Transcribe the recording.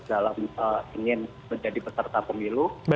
dalam ingin menjadi peserta pemilu